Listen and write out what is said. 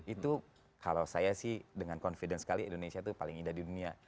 itu kalau saya sih dengan confidence sekali indonesia itu paling indah di dunia